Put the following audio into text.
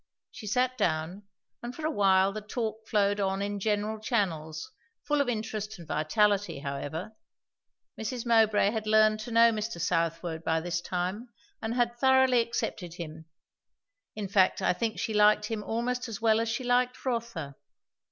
She sat down, and for a while the talk flowed on in general channels, full of interest and vitality however; Mrs. Mowbray had learned to know Mr. Southwode by this time, and had thoroughly accepted him; in fact I think she liked him almost as well as she liked Rotha.